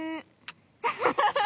ハハハハ。